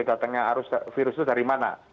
datangnya arus virus itu dari mana